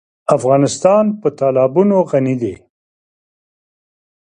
افغانستان په تالابونه غني دی.